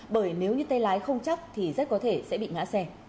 bởi nếu như tay lái không chắc thì rất có thể sẽ bị ngã xe